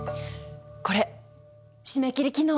これ締め切り昨日。